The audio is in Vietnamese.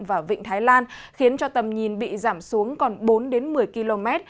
và vịnh thái lan khiến cho tầm nhìn bị giảm xuống còn bốn đến một mươi km